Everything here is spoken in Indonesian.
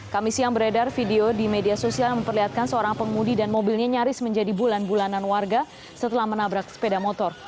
kami siang beredar video di media sosial memperlihatkan seorang pengemudi dan mobilnya nyaris menjadi bulan bulanan warga setelah menabrak sepeda motor